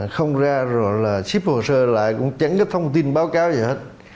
không ra rồi là ship hồ sơ lại cũng chẳng cái thông tin báo cáo gì hết